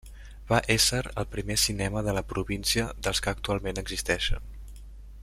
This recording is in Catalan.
Va ésser el primer cinema de la província dels que actualment existeixen.